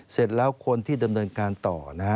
เสร็จแล้วคนที่ดำเนินการต่อนะฮะ